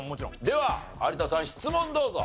では有田さん質問どうぞ。